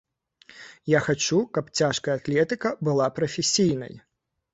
Я хачу, каб цяжкая атлетыка была прафесійнай.